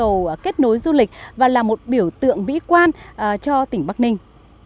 vậy đây còn là một cây cầu kết nối du lịch và là một biểu tượng vĩ quan cho tỉnh bắc ninh